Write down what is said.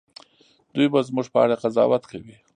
دوی به زموږ په اړه قضاوت کوي.